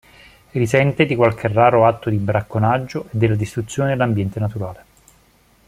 Risente di qualche raro atto di bracconaggio e della distruzione dell'ambiente naturale.